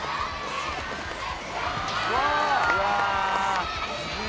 うわ！